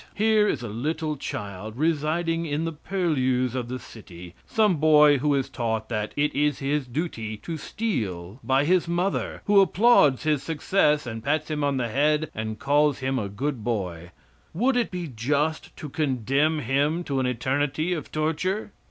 Here is a little child, residing in the purlieus of the city some boy who is taught that it is his duty to steal by his mother, who applauds his success and pats him on the head and calls him a good boy would it be just to condemn him to an eternity of torture?